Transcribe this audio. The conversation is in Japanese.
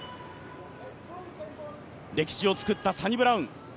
歴史を作ったサニブラウン。